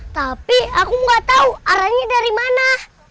tapi aku nggak tahu arahnya dari mana